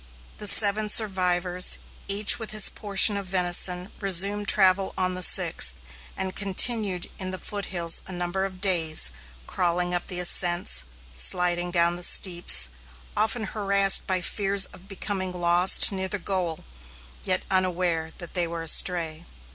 The seven survivors, each with his portion of venison, resumed travel on the sixth and continued in the foothills a number of days, crawling up the ascents, sliding down the steeps; often harassed by fears of becoming lost near the goal, yet unaware that they were astray.